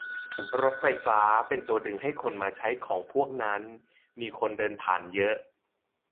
รถไฟฟ้าเป็นตัวดึงให้คนมาใช้ของพวกนั้น มีคนเดินผ่านเยอะ